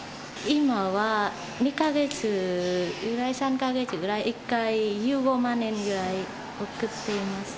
今は２か月、３か月ぐらい、１回１５万円ぐらい送っています。